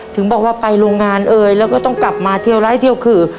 ถึงบอกว่าไปโรงงานเอ่ยแล้วก็ต้องกลับมาเที่ยวไร้เที่ยวขื่อ